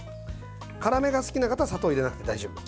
辛めが好きな方は砂糖を入れなくて大丈夫。